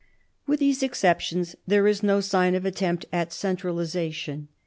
With these ex ceptions, there is no sign of attempt at centralisation.